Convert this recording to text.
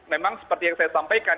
memang seperti yang saya sampaikan